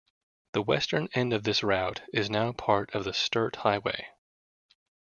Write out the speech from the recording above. The western end of this route is now part of the Sturt Highway.